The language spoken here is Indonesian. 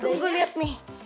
tunggu lihat nih